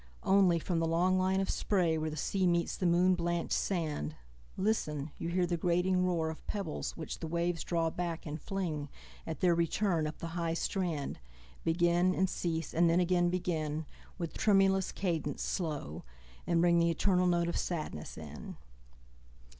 Only, from the long line of sprayWhere the sea meets the moon blanch'd sand, Listen! you hear the grating roarOf pebbles which the waves draw back, and fling, At their return, up the high strand, Begin, and cease, and then again begin, With tremulous cadence slow, and bringThe eternal note of sadness in.